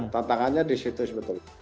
tantangannya disitu sebetulnya